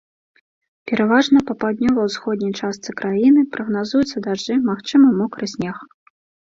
Пераважна па паўднёва-ўсходняй частцы краіны прагназуюцца дажджы, магчымы мокры снег.